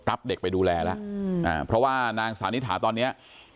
รับเด็กไปดูแลแล้วเพราะว่านางสานิถาตอนเนี้ย